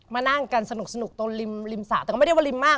มานั่งกันสนุกตรงริมริมสระแต่ก็ไม่ได้ว่าริมมาก